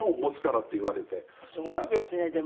すごいですねでも。